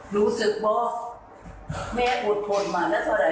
รู้สึกว่าแม่อดทนมาแล้วเท่าไห